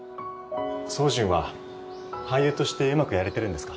宗純は俳優としてうまくやれてるんですか？